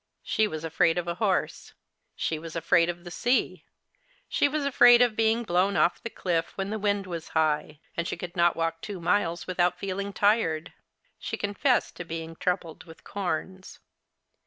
»She was afraid of a horse ; she was afraid of the sea ; she was afraid of being blown off the cliff when the wind was high ; and she could not walk two miles without feeling tired. She confessed to being troubled with corns.